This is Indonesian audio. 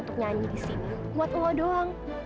untuk nyanyi di sini buat allah doang